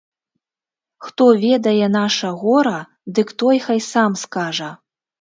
Хто ведае наша гора, дык той хай сам скажа.